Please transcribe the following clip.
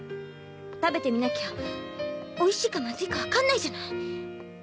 食べてみなきゃ美味しいか不味いか分かんないじゃない